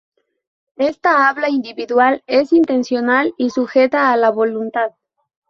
Esta habla individual es intencional y sujeta a la voluntad.